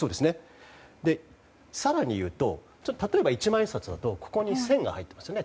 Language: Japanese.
更にいうと、例えば一万円札だとここに線が入っていますよね